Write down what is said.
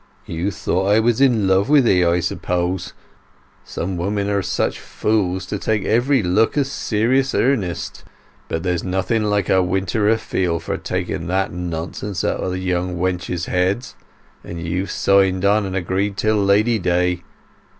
"You thought I was in love with 'ee I suppose? Some women are such fools, to take every look as serious earnest. But there's nothing like a winter afield for taking that nonsense out o' young wenches' heads; and you've signed and agreed till Lady Day.